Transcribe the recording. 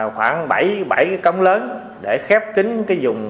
khoảng bảy bảy cái cống lớn để khép kín cái vùng